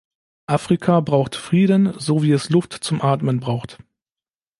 Afrika braucht Frieden, so wie es Luft zum Atmen braucht.